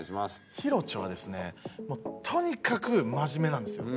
ヒロチョはですねとにかく真面目なんですよ。